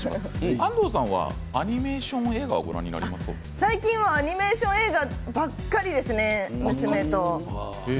安藤さんはアニメーション映画を最近はアニメーション映画ばっかりですね娘と。